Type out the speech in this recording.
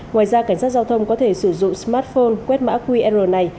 ngoài ra cảnh sát giao thông có thể sử dụng smartphone quét mã qr này